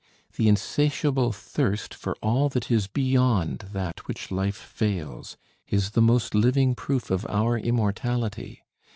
The insatiable thirst for all that is beyond that which life veils is the most living proof of our immortality.